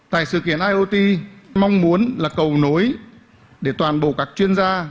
tại sự kiện iot mong muốn là cầu nối để toàn bộ các chuyên gia